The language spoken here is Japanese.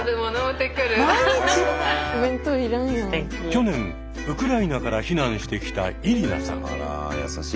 去年ウクライナから避難してきたイリナさん。